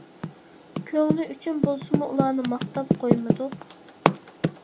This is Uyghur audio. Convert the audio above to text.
كۆڭلى ئۈچۈن بولسىمۇ، ئۇلارنى ماختاپ قويمىدۇق.